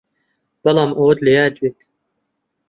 بەڵام ئەوەت لە یاد بێت